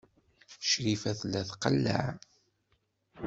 Crifa tella tqelleɛ.